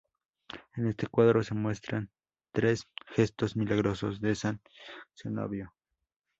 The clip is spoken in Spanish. En este cuadro se muestran tres gestos milagrosos de San Cenobio.